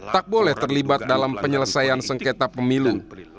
tak boleh terlibat dalam penyelesaian sengketa pemilu